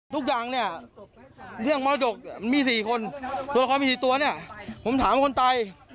ทุกอย่างเนี่ยเรื่องมรดกมี๔คนตัวละครมี๔ตัวเนี่ยผมถามคนตาย